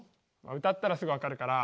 歌ったらすぐわかるから。